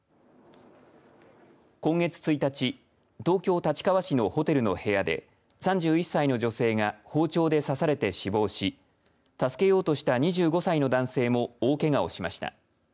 今月１日、東京、立川市のホテルの部屋で３１歳の女性が包丁で刺されて死亡し助けようとした２５歳の男性も大けがをしました。